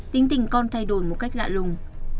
tính tình con thay đổi một cách lạ lùng